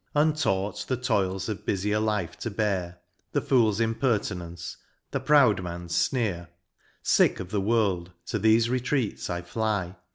— Untaught the toils of bufier life to bear, The fool's impertinence, the proud man's fneer ; Sick of the world, to thefe retreats I fly.